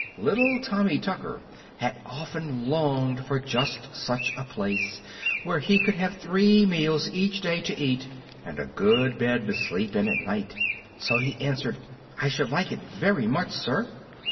Little Tommy Tucker had often longed for just such a place, where he could have three meals each day to eat and a good bed to sleep in at night, so he answered, "I should like it very much, sir."